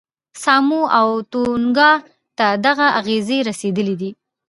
ساموا او تونګا ته دغه اغېزې رسېدلې دي.